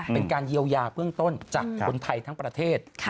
เป็นการเยียวยาเบื้องต้นจากคนไทยทั้งประเทศ